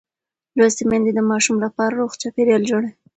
لوستې میندې د ماشوم لپاره روغ چاپېریال جوړوي.